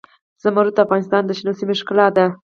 زمرد د افغانستان د شنو سیمو ښکلا ده.